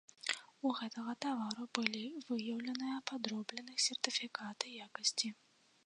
У гэтага тавару былі выяўленыя падробленых сертыфікаты якасці.